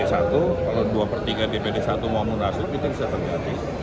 kalau dua per tiga dpd satu mau munaslup itu bisa terjadi